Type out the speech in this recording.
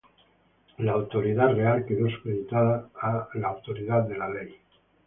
La autoridad real quedó supeditada a la de la ley.